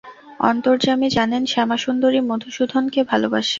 অন্তর্যামী জানেন শ্যামাসুন্দরী মধুসূদনকে ভালোবাসে।